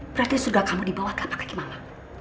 berarti surga kamu di bawah telapak kaki mama